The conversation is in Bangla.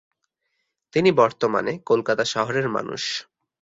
তিনি বর্তমানে কলকাতা শহরের মানুষ।